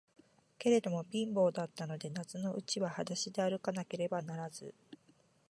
けれども、貧乏だったので、夏のうちははだしであるかなければならず、